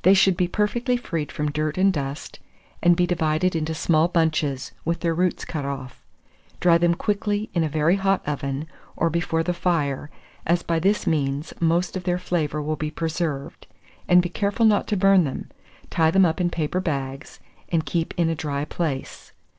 They should be perfectly freed from dirt and dust, and be divided into small bunches, with their roots cut off. Dry them quickly in a very hot oven, or before the fire, as by this means most of their flavour will be preserved, and be careful not to burn them; tie them up in paper bags, and keep in a dry place.